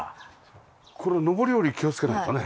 これ上り下り気をつけないとね。